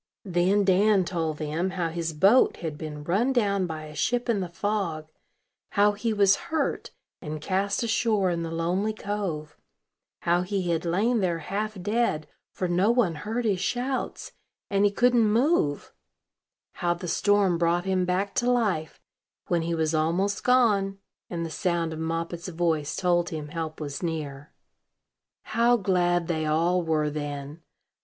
Then Dan told them how his boat had been run down by a ship in the fog; how he was hurt, and cast ashore in the lonely cove; how he had lain there half dead, for no one heard his shouts, and he couldn't move; how the storm brought him back to life, when he was almost gone, and the sound of Moppet's voice told him help was near. How glad they all were then!